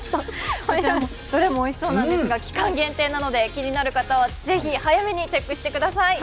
どれもおいしそうなんですが、期間限定なので気になる方はぜひ早めにチェックしてください。